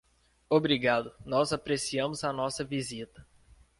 Obrigado, nós apreciamos a nossa visita.